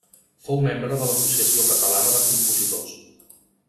Fou membre de l'Associació Catalana de Compositors.